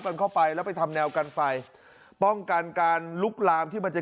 กันเข้าไปแล้วไปทำแนวกันไฟป้องกันการลุกลามที่มันจะ